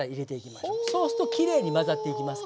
そうするときれいに混ざっていきますから。